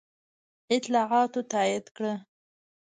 اطلاعاتو تایید کړه.